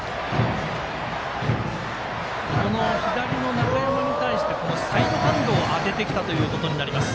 この左の中山に対してサイドハンドを当ててきたということになります